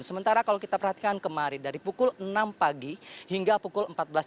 sementara kalau kita perhatikan kemarin dari pukul enam pagi hingga pukul empat belas tiga puluh